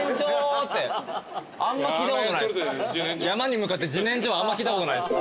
山に向かって「自然薯」はあんま聞いたことないっす。